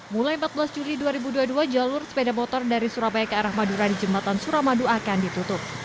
mulai empat belas juli dua ribu dua puluh dua jalur sepeda motor dari surabaya ke arah madura di jembatan suramadu akan ditutup